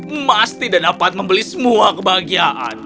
emas tidak dapat membeli semua kebahagiaan